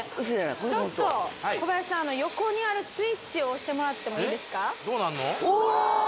ホントちょっと小林さん横にあるスイッチを押してもらってもいいですかおお！